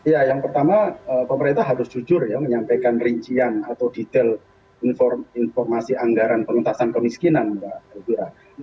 ya yang pertama pemerintah harus jujur ya menyampaikan rincian atau detail informasi anggaran pengentasan kemiskinan mbak elvira